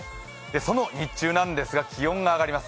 その日中なんですが、気温が上がります。